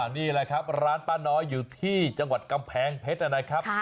นี่แหละครับร้านป้าน้อยอยู่ที่จังหวัดกำแพงเพชรนะครับ